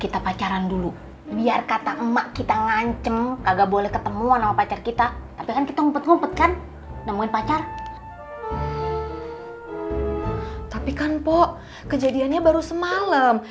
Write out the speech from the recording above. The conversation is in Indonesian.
tapi kan po kejadiannya baru semalam